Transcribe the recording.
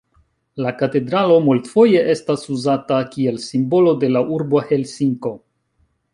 La katedralo multfoje estas uzata kiel simbolo de la urbo Helsinko.